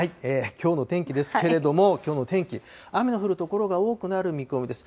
きょうの天気ですけれども、きょうの天気、雨の降る所が多くなる見込みです。